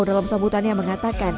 dalam sambutannya mengatakan